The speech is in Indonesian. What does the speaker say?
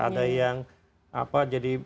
ada yang apa jadi